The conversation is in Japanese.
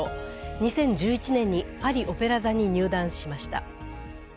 ２０１１年にパリ・オペラ座に入団しました。